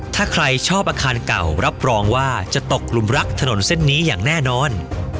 ถ้าใครชอบอาคารเก่ารับรองว่าจะตกหลุมรักถนนเส้นนี้อย่างแน่นอน